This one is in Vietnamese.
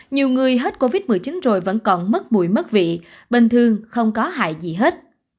nhiều người hết covid một mươi chín rồi vẫn còn mất mùi mất vị bình thường không có hại gì hết